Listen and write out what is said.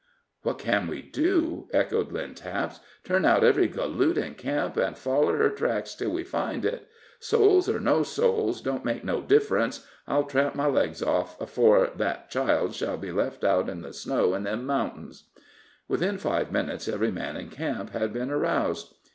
"What can we do?" echoed Lynn Taps; "turn out every galoot in camp, and foller her tracks till we find it. Souls or no souls, don't make no diff'rence. I'll tramp my legs off, 'fore that child shall be left out in the snow in them mountains." Within five minutes every man in camp had been aroused.